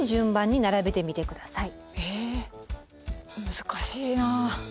難しいなあ。